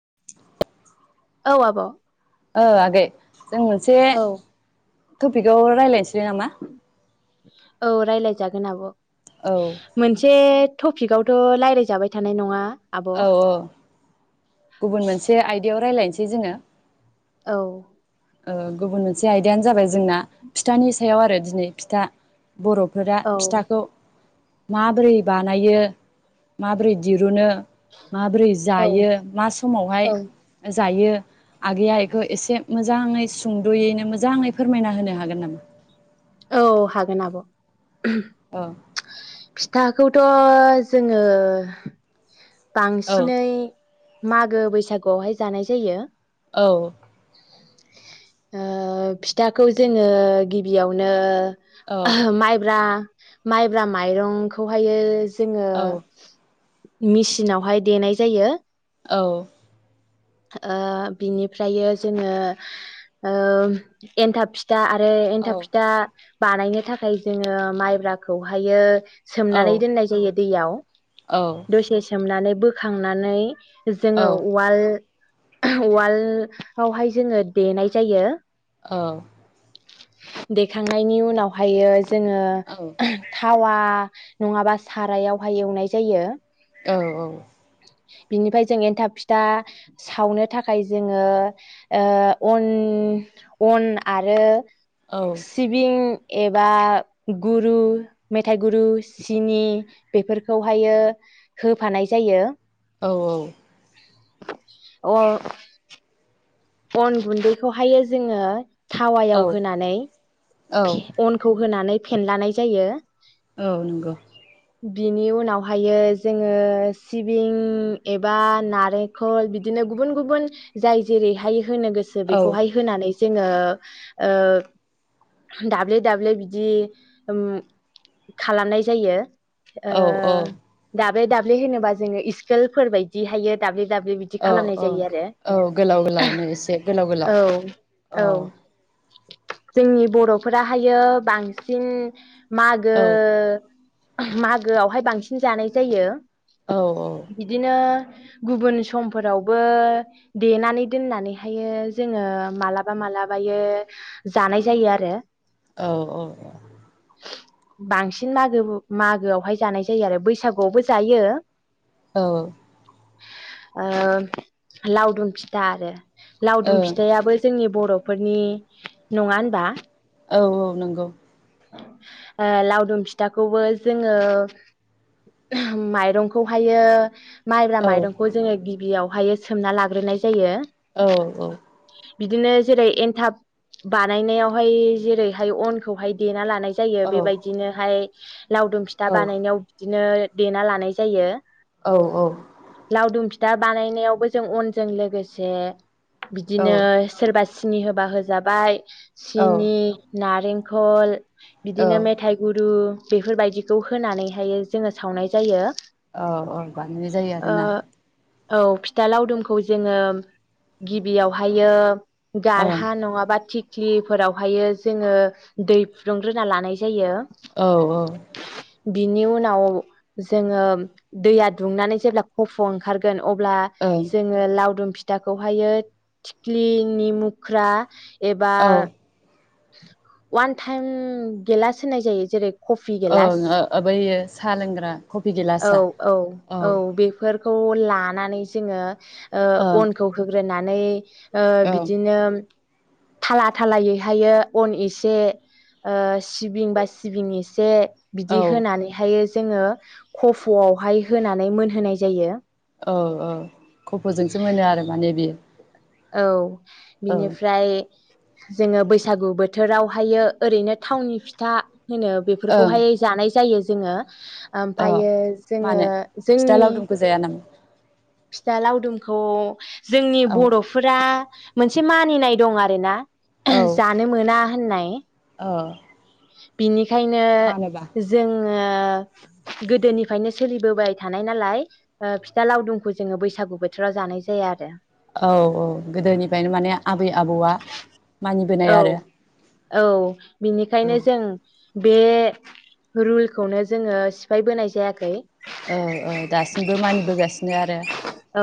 [inaudible] औ आब' ओ आगै जों मोनसे औ टपिकाव रायज्लायनोसैलाय नामा औ रायलायजागोन आब' औ मोनसे टपिकआवथ' रायलायजाबाय थानाय नङा औ औ गुबुन मोनसे आइ बिदियाव रायज्लायनोसै जोङो औ ओ गुबुन मोनसे आयदायानो जाबाय जोंना फिथानि सायाव आरो दिनै फिथा बर'फोरा औ फिथाखौ माबोरै बानायो माबोरै दिरुनो माबोरै जायो मा समावहाय औ जायो आगैया एखौ एसे मोज जाङै सुंद'यैनो मोजाङै फोरमायना होनो हागोन नामा औ हागोन आब' अ फिथाखौथ' जोङो औ बांसिनै मागो बैसागुआवहाय जानाय जायो औ ओ फिथाखौ जोङो गिबियावनो ओहो माइब्रा माइब्रा माइरंखौहायो जोङो औ [inaudible] मिसिनावहाय देनाय जायो। औ ओ बिनिफ्रायो जोङो ओम एन्थाब फिथ था आरो औ एन्थाब फिथा बानायनो थाखाय जोङो माइब्राखौहायो औ सोमनानै दोननाय जायो। दैयाव। औ दसे सोमनानानै बोखांनानै जोङो उवाल उवालयावहाय जोङो देनाय जायो। ओ देखांनायनि उनावहायो जोङो औ थावा नङाबा सारायावहाय एवनाय जायो। औ औ। बिनिफाय जों एन्थाब फिथा सावनो थाखाय जोङो ओ अन अन आर आरो सिबिं एबा गुरु मेथाइ गुरु सिनि बेफोरखौहायो होफानाय जायो। औ औ। अ अन गुन्दैखौहायो जोंङो थावायाव होनानै औ फे अनखौ होनानै फेेन लानाय जायो। औ नंगौ बिनि उनावहायो जोंङो सिबिं एबा नारेखल बिदिनो गुबुन गुबुन जाय जेरै हायो होनो गोसो औ बेखौहाय होनानै जोंङो ओ दाब्ले दाब्ले बिदि उम खालामनाय जायो। ओ औ दाब दाब्ले दाब्ले होनोबा जोंङो इस्केलफोर बायदि हायो दाब्ले दाब्ले बिदि औ खालामनाय जायो आरो गोलाव गोलावनो एसे गोलाव गोलाव औ जोंनि बरफोराहायो बांसिन मागो औ मागोआवहाय बांसिन जानाय जायो औ बिदिनो गुबुन समफोरावबो देनानै दोननानैहायो जोंङो मालाबा मालाबायो जानाय जायो आरो औ औ औ बांसिन मागो मागोआवहाय जानाय जायो आरो बैसागुआवबो जायो औ ओ लाावदुम फि दा आरो ओ लावदुम फिथायाबो जोंनि बरफोरनि नङा होनबा औ औ नोंगौ ओ लावदुम फिथाखौबो जोंङो माइरंखौहायो माइब्रा औ माइरंखौ जोंङो गि बियावहाय सोमना लाग्रोनाय जायो औ औ बिदिनो जेरै एनथाब बानायनायावहाय जेरैहाय अनखौहाय देना लानाय जायो औ बेबायदिनोहाय लावदुम फिथा औ बानायनायाव बिदि बिदिनो देना लानाय जायो औ औ दा बानायनायावबो जों अनजों लो गोसे औ बिदिनो सोरबा सिनि होबा होजाबाय सिनि नार रिंखल औ बिदिनो मेथाइ गुरु बेफोरबायदिखौ होनानैहाय जोङो सावनाय जायो। औ औ बानायनाय जायो ओ आरोना। औ फिथा लावदुमखौ जोङो गिबियावहायो औ गारहा नङाबा थिग ख्लिफोरावहायो जोङो दै फुदुंग्रोना लानाय जायो औ औ । बिनि उनाव जोङो दैया दुंनानै जेब्ला खफ' ओंखारगोन अब्ला औ ओं जों लावदुम फिथाखौहायो थिख्लिनि मुख्रा एबा औ अवान टाइम गेलासो होननाय जायो जेरै कफि औ गेलास ओ बैयो साहा लोंग्रा कफि गिलासआ औ । खौ लानानै जोङो ओ ओं अनखौ होग्रोनानै नै ओ ओं बिदिनो थाला थालायैहायो अन एसे ओ सिबिं बा सिबिं एसे औ बिदि होनानैहायो जोङो कफ' आवहाय होनानै मोनहोनाय जायो । औ औ । खफ'जोंसो मोनो आरो माने बेयो । औ । बिनिफ्राय जोङो बैसागु बोथोरावहायो ओरैनो थावनि फिथा होनो ओं बेफोरखौहाय जानाय जायो । जोङो औ ओमफायो जोङो मानो फिथा जोंनि लावदुमखौ जाया नामा फिथा लावदुमखौ जोंनि औ बर'फोरा मोनसे मानिनाय दं आरो ना । जानो मोना होननाय । अ । बिनि खायनो जों ओ गोदोनिफ्रायनो सोलिबोबाय थानाय नालाय फिथा लावदुमखौ जोङो बैसागु बोथोराव जानाय जाया आरो । औ औ गोदोनिफ्रायनो माने आबै आबौआ मानिबोनाय औ आरो । औ बि ओंखायनो जों बे रुलखौनो जोंङो सिफायबोनाय जायाखै औ औ दासिमबो मानिबोगासिनो आरो औ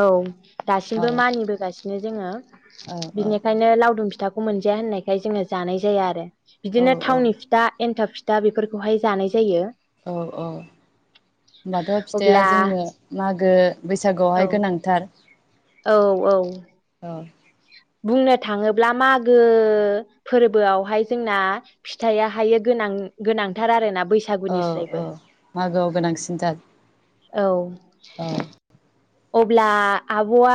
औ दासिमबो मानिबोगासिनो बिदिनो जोंङो औ औ बिनिखायनो लावदुम फित फिथाखौ मोनजाया होननायखाय जोंङो जानाय जाया आरो औ बिदिनो थावनि फिथा एन्थाब फिथ दा बेफोरखौहाय जानाय जायो औ औ होनबाथ फिथाइया अब्ला जोंनो मागो बैसाग बैसागु औ आवहाय गोनांथार औ औ औ बुंनो थांङोब्ला मागो फोरबोआवहाय जोंना फिथाइआाहायो गोनां गोनांथार आरोना बैसागुनिस्रायबो ओ-ओऔ मागोआव गोनांसिन औ जागोन अब्ला आबआ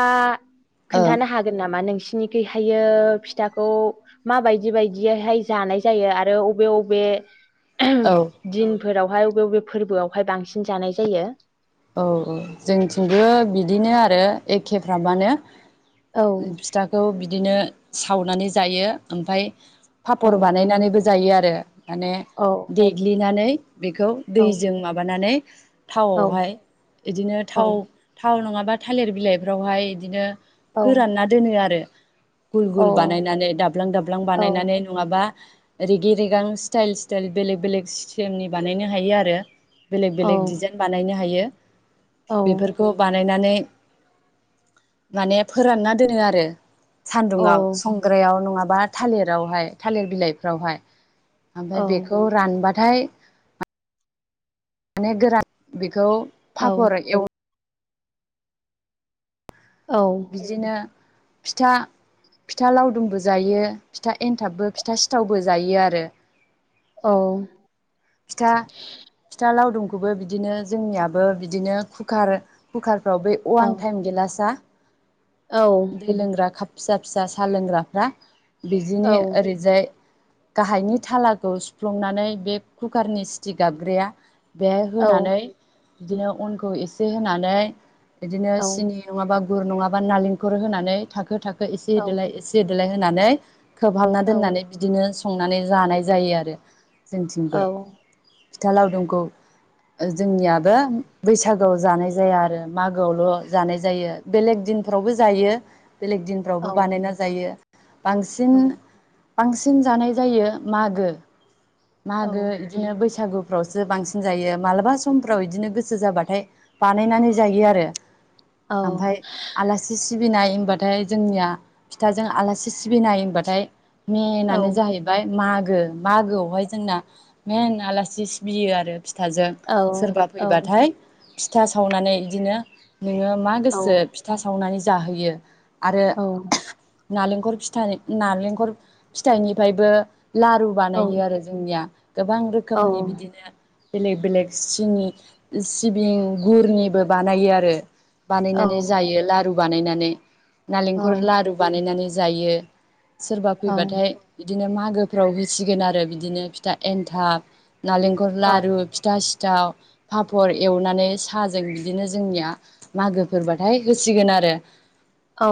औ खोन्थानो हागोन नामा नोंसि नि थिंहायो फिथाखौ माबायदि बायदियैहाय जानाय जायो आरो अबे अबे औ [unintelligible] दिन फोरावहाय बबे बबे फोरबोआवहाय बांसिन जानाय जायो औ औ जोंथिंबो बिदिनो आरो एखेफ्रामानो औ फिथाखौ बिदिनो सावनानै जायो ओमफ्राय औ पापर बानायनानैबो जायो आर दे माने औ देग्लिनानै बेखौ औ दैजों माबानानै औ थावआवहाय बिदिनो थाव थाव औ थाव नंङाबा थालिर बिलाइफ्रावहाय बिदिनो औ फोरानना दोनो आरो गुल औ गुल बानायनानै दाब्लां दाब्लां औ बानायनानै नंङाबा रेगि रेगां स्टाइल स्टाइल बेलेग बेलेग सटेमनि बानायनो हायो आरो बेलेग औ बेलेग डिजाइन बानायनो हायो औ बेफोरखौ बानायनानै माने फोरानना दोनो आरो । औ सान्दुङाव संग्रायाव नङा बा थालेरावहाय थालिर बिलाइफ्रावहाय । ओमफाय बेखौ रानबा थाय माने गोरान बि खौ औ पापर एव औ बिदिनो फिथा फिथा लावदुमबो जायो फिथा एन्थाबबो फिथा सिथावबो जायो आरो । औ । फिथा फिथा लावदुमखौबो बिदिनो जोंनियाबो बिदिनो कुकार कुकार फ्राव बे औ अवान औ टाइम गेलासा दै लोंग्रा खाफ । फिसा फिसा साहा लोंग्राफ्रा बिदिनि ओरैजाय गाहायनि थालाखौ सुफ्लंनानै बे कुकारनि सिटिक गाबग्राया बेआइ होनानै बिदिनो अनखौ एसे होनानै बिदिनो सिनि नङाबा गुर नङाबा नारेंखुर होनानै थाखो था खो एसे होदलाय एसे होदलाय होननानै खोबहाबना दोननानै बिदिनो संनानै जानाय जायो आरो । जोंथिंबो । फिथा लावदुमखौ जोंनियाबो बैसागोआव जानाय जाया आरो मागोआवल जानाय जायो बेलेग दिनफ्रावबो जायो । बेलेग दिनफ्रावबो बानायना जायो । बांसिन बांसिन जानाय जायो मागो । औ । बैसागुफ्रावसो बांसिन जायो मालाबा समफ्राव बिदिनो गोसो जाबाथाय बानायनानै जायो आरो । ओमफ्राय आलासि सि सिबिनाय होनबाथाय जोंनिया फिथाजों आलासि सिबिनाय होनबाथाय मेहेनानो जाहैबाय मागो गो मागोआवहाय जोंना मेन आलासि सिबियो आरो । फिथाजों सोरबा फैबाथाय फिथा सावनानै इदिनो नोङो मा गोसो फिथा सावनानै जाहोयो । औ । नालेंखर फिथाइ नालेंखर फिथाइनिफ्रायबो लारु बानायो आरो जोंनिया । गोबां रोखोमनि बिदिनो बेलेग बेलेग सिनि सिबिं गुरनिबो बानायो आरो । बानायनानै जायो लारु । बानायनानै । नालेंखर लारु बानायनानै ज जायो । सोरबा फैबाथाय दिनो मागोफ्राव होसिगोन आरो बिदिनो फिथा । एन्थाब । नालेंखर औ लारु फिथा सि थाव फाफर एवनानै साजों बिदिनो जोंनिया मागोफोरबाथाय होसिगोन आरो । औ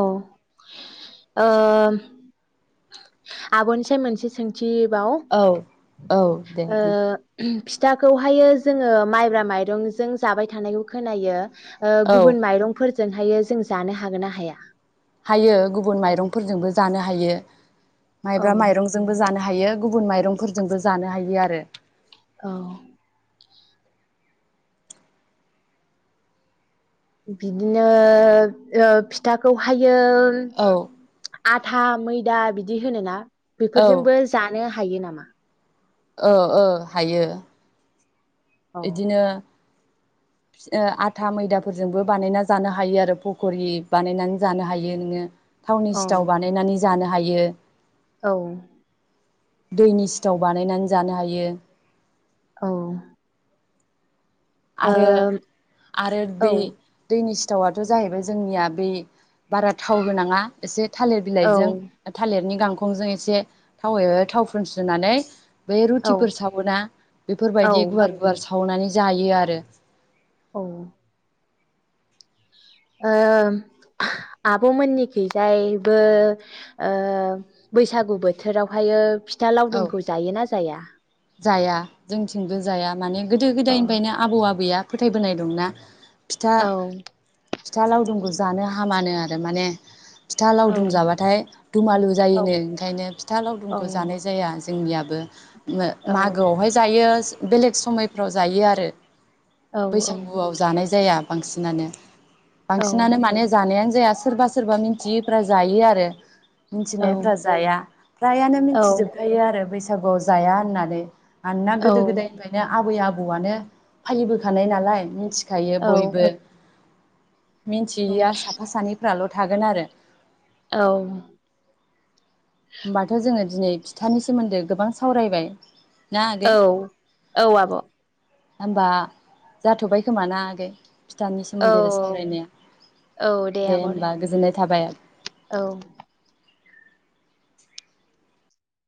ओ आब'निस मोनसे सोंथि । औ औ दे देबाव ओ बुं फि फिथाखौ हायो जोङो माइब्रा माइरंजों जाबाय थानायखौ खोनायो । ओ औ गुबुन माइरंफोर जों हायो जों जानो हागोन ना हाया? हायो गुबुन माइरंफोरजोंबो जानो हायो । औ माइब्रा माइरंजोंबो जानो हायो गुबुन माइरंफोरजोंबो जानो हायो आरो । औ बिदिनो ओ फिथाखौ हायो औ । [unintelligible] आथा मैदा बिदि दि होनोना? औ बेफोरजोंबो जानो हा हायो नामा औ औ हायो औ बिदिनो आथा मैदाफोरजोंबो बानायना जानो हायो आरो पकरि बानायनानै जानो हायो नोङो थावनि औ सिथाव बानायनानै जानो हायो औ दैनि सिथाव बानायनानै जानो हायो औ आरो आरो ओ दै दैनि सिथावथ' जाहैबाय जोंनिया बै बारा थाव होनांङा एसे थालिर औ बिलाइजों थालिरनि गां खंजों एसे थावै थावफ्रुनस्रिनानै बे रुटिफोर सावोना औ बेफोरबायदि गुवार गुवार साव सावनानै जायो आरो आरो औ ओ आब'मोननिखैजायबो ओ बैसागु बोथोरावहायो फि फिथा औ लावदुमखौ जायो ना जाया? जाया जोंथिंबो जाया माने गोदो औ गोदायनिफ्रायनो आबौ-आबैया फोथायबोनाय दंना फिथा औ फिथा लावदुमखौ जानो हामानो आरो माने फिथा औ लावदुम जाबाथाय दुमालु जायोनो ओंखायनो फिथा औ लावदुमखौ जानाय जाया दा जोंनियाबो उम औ मागोआवहाय जायो बेलेग समायफ्राव जायो आरो औ बैसागुआव जानाय जाया बांसिनानो औ बांसिनानो माने जानायानो जाया सोरबा सोरबा मिथियैफ्रा जायो आरो। मिथिनायफ्रा जाया फ्रायानो थिजोबखायो आरो बैसा बैसागुआव जाया होननानै मानोना औ गोदो गोदायनिफ्रायनो आबै आबौ आबौआनो फालिबोखानाय नालाय मिथि खायो बयबो मिन्थियिया साफा सानैफ्राल' थागोन आरो औ होमबाथ' जोङो दिनै फिथानि सोमोन्दै गोबां सावरायबाय। ना आगै औ औ आब' होमबा जाथ'बाय खोमाना आगै। फिथानि सोमोन्दै सावरायनाया दे होमबा गोजोननाय थाबाय। औ